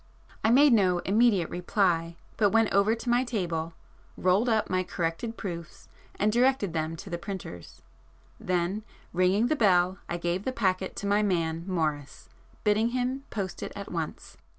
I made no immediate reply, but went over to my table, rolled up my corrected proofs and directed them to the printers,—then ringing the bell I gave the packet to my man, Morris, bidding him post it at once.